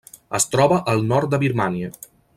Es troba al nord de Birmània.